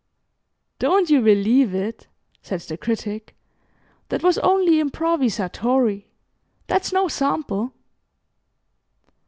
"Don't you believe it," said the Critic, "That was only improvisatore that's no sample."